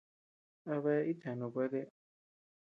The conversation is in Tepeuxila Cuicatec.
¿A bea itcheanu kuete?